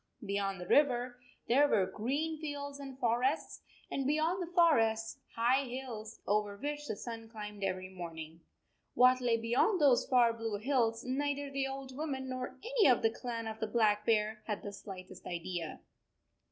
Beyond the river there were green fields and forests, and beyond the forests high hills over which the sun climbed every morning. What lay beyond those far blue hills neither the old woman nor any of the clan of the Black Bear had the slightest idea.